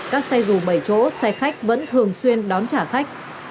các xe dù bảy chỗ xe khách vẫn thường xuyên đón trả khách